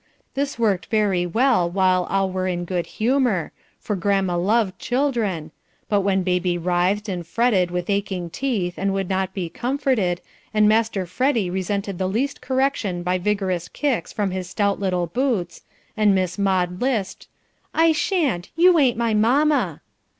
This worked very well while all were in good humour, for grandma loved children, but when baby writhed and fretted with aching teeth and would not be comforted, and Master Freddy resented the least correction by vigorous kicks from his stout little boots, and Miss Maude lisped, "I shan't! You ain't my mamma!"